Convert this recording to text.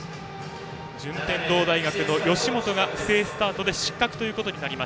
順天堂大学の吉本が不正スタートで失格。